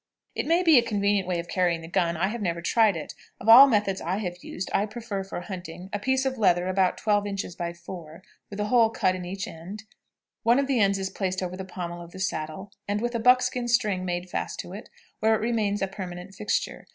This may be a convenient way of carrying the gun; I have never tried it. Of all methods I have used, I prefer, for hunting, a piece of leather about twelve inches by four, with a hole cut in each end; one of the ends is placed over the pommel of the saddle, and with a buckskin string made fast to it, where it remains a permanent fixture.